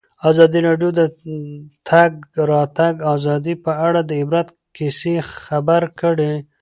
ازادي راډیو د د تګ راتګ ازادي په اړه د عبرت کیسې خبر کړي.